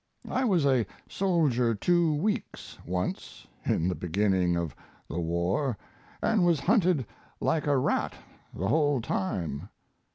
I was a soldier two weeks once in the beginning of the war, and was hunted like a rat the whole time.